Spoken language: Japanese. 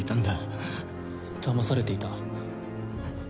だまされていた？